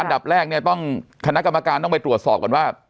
อันดับแรกเนี่ยต้องคณะกรรมการต้องไปตรวจสอบก่อนว่า